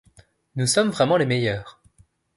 Nous sommes vraiment les meilleurs !